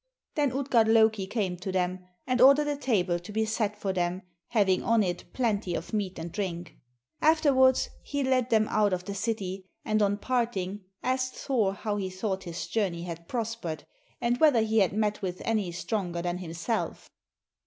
Then Utgard Loki came to them and ordered a table to be set for them having on it plenty of meat and drink. Afterwards he led them out of the city, and on parting asked Thor how he thought his journey had prospered, and whether he had met with any stronger than himself.